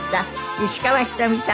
石川ひとみさんです。